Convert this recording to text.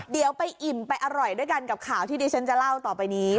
เดี๋ยวไปอิ่มไปอร่อยด้วยกันกับข่าวที่ดิฉันจะเล่าต่อไปนี้